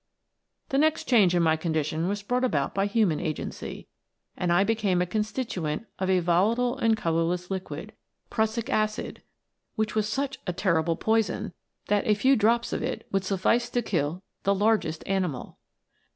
" The next change in my condition was brought about by human agency, and I became a constitu ent of a volatile and colourless liquid, which was such a terrible poison that a few drops of it would suffice to kill the largest animal.